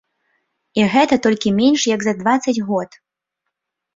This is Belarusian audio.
І гэта толькі менш як за дваццаць год!